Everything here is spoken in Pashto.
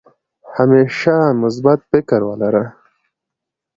همېشه مثبت فکر ولره